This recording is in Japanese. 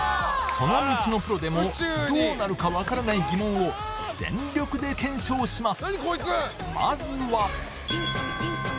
その道のプロでもどうなるか分からないギモンを全力で検証します